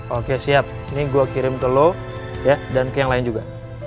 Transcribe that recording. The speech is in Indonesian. oke siap ini gue kirim ke lo ya dan ke yang lain juga